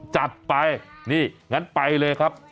จัดไปนี่งั้นไปเลยครับ